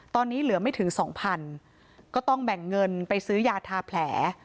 ตอนนี้เหลือไม่ถึงสองพันก็ต้องแบ่งเงินไปซื้อยาทาแผล